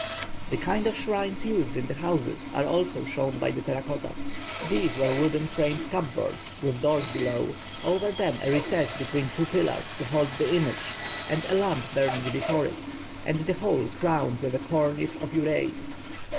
The kind of shrines used in the houses are also shown by the terra cottas. These were wooden framed cupboards, with doors below, over them a recess between two pillars to hold the image, and a lamp burning before it, and the whole crowned with a cornice of uræi.